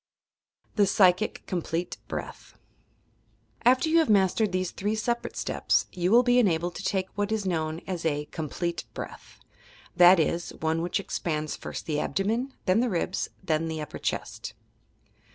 THE PSYCHIC (complete) BREATH After you have mastered these three separate steps, you will be enabled to take what is known as a "complete breath." — that is, one which expands first the abdomen, then the ribs, then the upper chest.